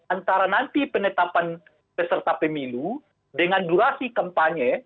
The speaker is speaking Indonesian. antara nanti penetapan peserta pemilu dengan durasi kampanye